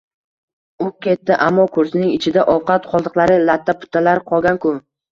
U ketdi, ammo kursining ichida ovqat qoldiqlari, latta-puttalari qolgan-ku